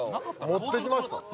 持ってきました